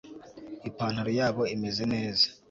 Ipantaro yabo imeze neza